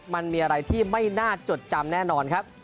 มันมีอะไรที่ไม่น่าจดจำแน่นอนครับ